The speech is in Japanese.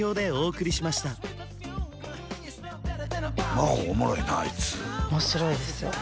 真帆おもろいなあいつ面白いですよ